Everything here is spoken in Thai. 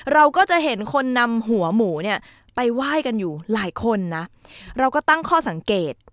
เราก็จะเห็นคนนำหัวหมูเนี่ยไปไหว้กันอยู่หลายคนนะเราก็ตั้งข้อสังเกต